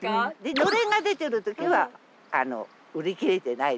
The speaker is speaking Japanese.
のれんが出てる時は売り切れてないです。